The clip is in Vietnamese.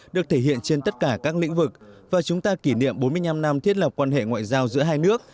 được thể hiện trên tất cả các lĩnh vực và chúng ta kỷ niệm bốn mươi năm năm thiết lập quan hệ ngoại giao giữa hai nước